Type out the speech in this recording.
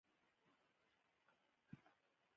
شیدې د هډوکو لپاره طبیعي شربت دی